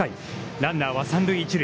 ランナーは三塁一塁。